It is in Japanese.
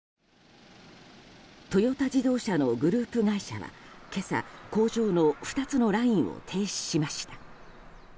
トヨタ自動車のグループ会社は今朝、工場の２つのラインを停止しました。